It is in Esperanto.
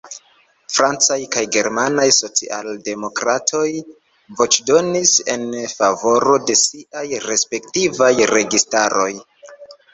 Francaj kaj germanaj socialdemokratoj voĉdonis en favoro de siaj respektivaj registaroj.